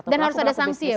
dan harus ada sanksi ya bu ya